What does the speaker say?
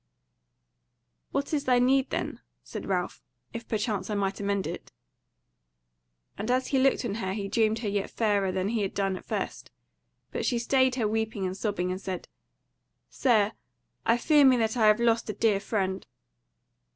"What is thy need then?" said Ralph, "if perchance I might amend it." And as he looked on her he deemed her yet fairer than he had done at first. But she stayed her weeping and sobbing and said: "Sir, I fear me that I have lost a dear friend."